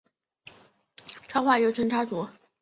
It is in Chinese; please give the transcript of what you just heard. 插画又称插图。